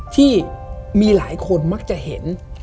ที่มีหลายคนมักจะเห็น